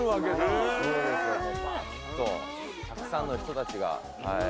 もうバッとたくさんの人たちが。